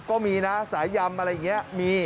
ก็มีนะสายยำอะไรเงี้ยมี